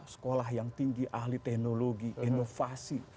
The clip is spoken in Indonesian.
sekolah yang tinggi ahli teknologi inovasi